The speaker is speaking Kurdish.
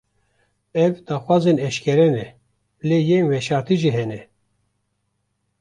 Ev, daxwazên eşkere ne; lê yên veşartî jî hene